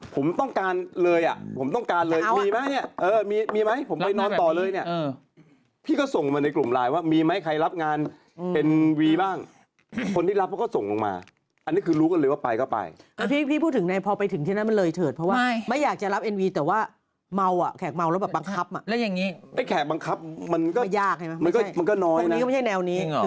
ก็ต้องยอมรับแบบว่าพิตตี้ที่เขาไปนั่งดื่มเขารู้ริมิตตัวเขาเองอยู่แล้ว